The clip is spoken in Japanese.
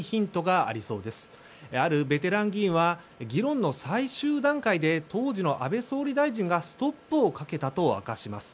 あるベテラン議員は議論の最終段階で当時の安倍総理大臣がストップをかけたと明かします。